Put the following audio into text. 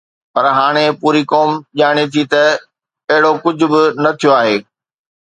پر هاڻي پوري قوم ڄاڻي ٿي ته اهڙو ڪجهه به نه ٿيو آهي.